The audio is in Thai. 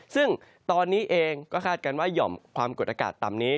ซึ่งตอนนี้เองก็คาดการณ์ว่าหย่อมความกดอากาศต่ำนี้